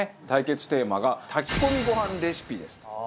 対決テーマが炊き込みご飯レシピですと。